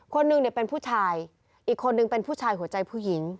คนหนึ่งเนี่ยเป็นผู้ชายอีกคนนึงเป็นผู้ชายหัวใจผู้หญิง